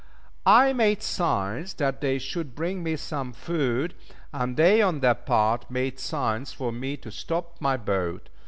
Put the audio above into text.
I made signs that they should bring me some food, and they on their part made signs for me to stop my boat.